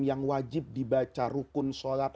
yang wajib dibaca rukun sholat